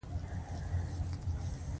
شعیب ملک یو ښه بیټسمېن دئ.